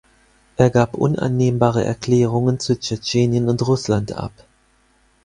Er gab unannehmbare Erklärungen zu Tschetschenien und Russland ab.